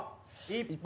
一発